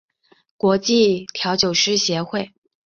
国际调酒师协会